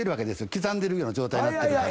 刻んでる状態になってるから。